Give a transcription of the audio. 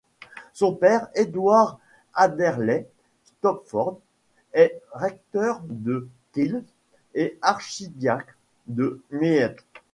Son père Edward Adderley Stopford est recteur de Kells et archidiacre de Meath.